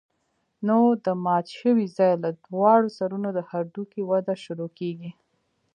نو د مات شوي ځاى له دواړو سرونو د هډوکي وده شروع کېږي.